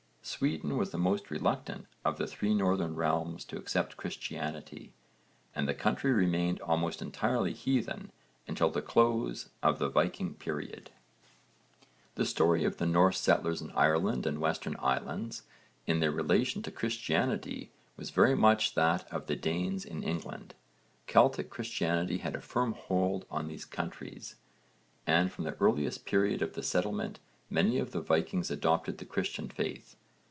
Sweden was the most reluctant of the three northern realms to accept Christianity, and the country remained almost entirely heathen until the close of the Viking period. The story of the Norse settlers in Ireland and the Western Islands in their relation to Christianity was very much that of the Danes in England. Celtic Christianity had a firm hold in these countries, and from the earliest period of the settlements many of the Vikings adopted the Christian faith.